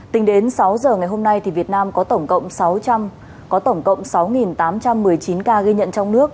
tính đến sáu giờ ngày hôm nay thì việt nam có tổng cộng sáu tám trăm một mươi chín ca ghi nhận trong nước